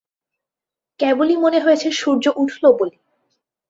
কেবলই মনে হয়েছে সূর্য উঠল বলে।